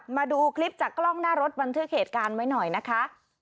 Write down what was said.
มาดูคลิปจากกล้องหน้ารถบันทึกเหตุการณ์ไว้หน่อยนะคะ